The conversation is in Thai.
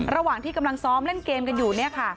ระหว่างที่กำลังซ้อมเล่นเกมกันอยู่